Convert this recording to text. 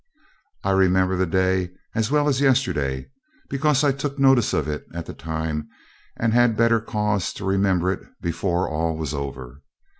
I remember the day as well as yesterday, because I took notice of it at the time, and had better cause to remember it before all was over.